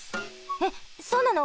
えっそうなの？